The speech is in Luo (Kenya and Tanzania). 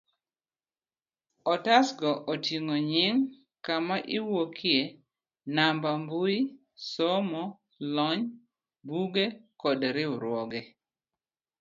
otase go oting'o nying, kama iwuokie, namba mbui, somo, lony, buge kod riwruoge